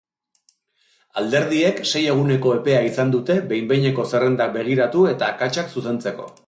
Alderdiek sei eguneko epea izan dute behin-behineko zerrendak begiratu eta akatsak zuzentzeko.